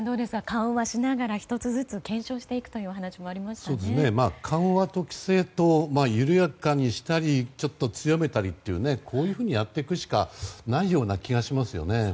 緩和しながら１つ１つ検証していくという緩和と規制と緩やかにしたりちょっと強めたりってこういうふうにやっていくしかないような気がしますよね。